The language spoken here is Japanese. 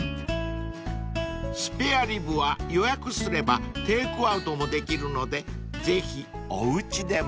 ［スペアリブは予約すればテークアウトもできるのでぜひおうちでも］